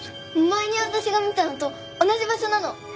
前に私が見たのと同じ場所なの。